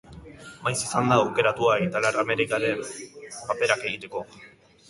Maiz izan da aukeratua italiar-amerikarren paperak egiteko.